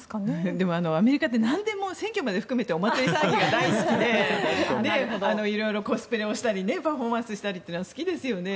でも、アメリカってなんでも選挙まで含めてお祭り騒ぎが大好きで色々コスプレをしたりパフォーマンスしたりするのが好きですよね。